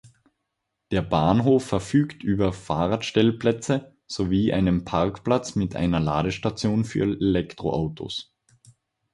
Der Bahnhof verfügt über Fahrradstellplätze sowie einen Parkplatz mit einer Ladestation für Elektroautos.